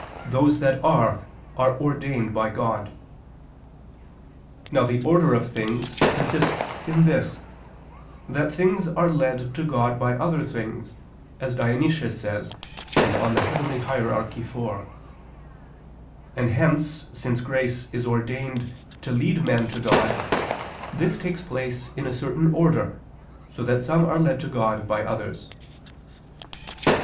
'those that are, are ordained by God]." Now the order of things consists in this, that things are led to God by other things, as Dionysius says (Coel. Hier. iv). And hence since grace is ordained to lead men to God, this takes place in a certain order, so that some are led to God by others.